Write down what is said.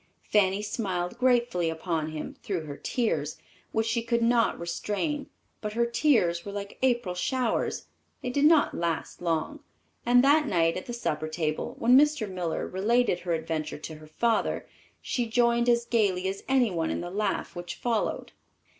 Fanny smiled gratefully upon him through her tears, which she could not restrain; but her tears were like April showers—they did not last long, and that night, at the supper table, when Mr. Miller related her adventure to her father, she joined as gayly as any one in the laugh which followed.